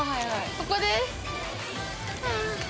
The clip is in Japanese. ここです！